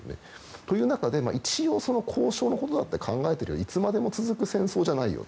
という中で、一応交渉のことだったり考えていれば、いつまでも続く戦争じゃないよと。